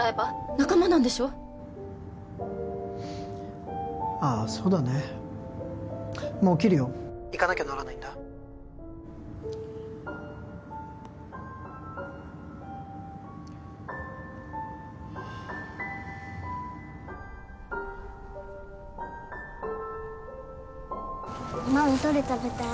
仲間なんでしょああそうだねもう切るよ☎行かなきゃならないんだママどれ食べたい？